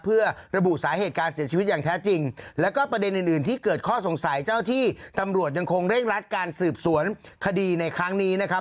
เพื่อระบุสาเหตุการเสียชีวิตอย่างแท้จริงแล้วก็ประเด็นอื่นอื่นที่เกิดข้อสงสัยเจ้าที่ตำรวจยังคงเร่งรัดการสืบสวนคดีในครั้งนี้นะครับ